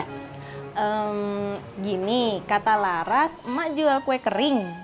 hmm gini kata laras emak jual kue kering